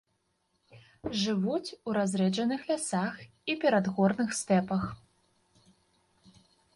Жывуць у разрэджаных лясах і перадгорных стэпах.